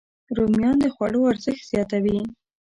رومیان د خوړو ارزښت زیاتوي